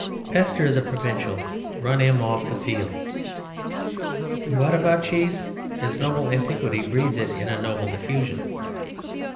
Pester the provincial. Run him off the field. But about cheese. Its noble antiquity breeds in it a noble diffusion.